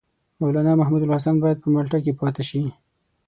مولنا محمودالحسن باید په مالټا کې پاته شي.